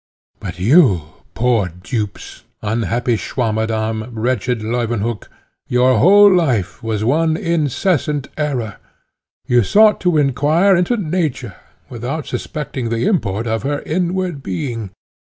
"But you, poor dupes, unhappy Swammerdamm, wretched Leuwenhock, your whole life was one incessant error. You sought to inquire into Nature, without suspecting the import of her inward being.